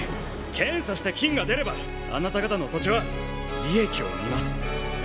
検査して金が出ればあなた方の土地は利益を生みます。